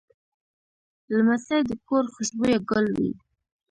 لمسی د کور خوشبویه ګل وي.